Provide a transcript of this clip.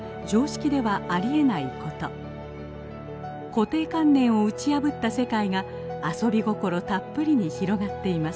固定観念を打ち破った世界が遊び心たっぷりに広がっています。